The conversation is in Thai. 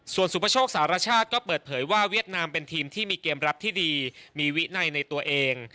ส่วนสุปโชคสารชาติก็เปิดเผยว่าเวียดนามเป็นทีมที่มีเกมรับที่ดีมีวินัยในตัวเอง